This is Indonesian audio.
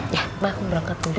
ya mbah aku berangkat dulu